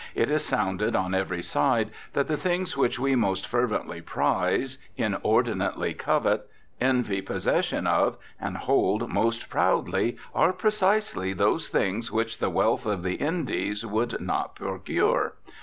It is sounded on every side that the things which we most fervently prize, inordinately covet, envy possession of, and hold most proudly, are precisely those things which the wealth of the Indies would not procure.